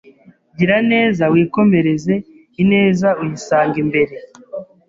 Gira neza, wikomereze ineza uyisanga imbere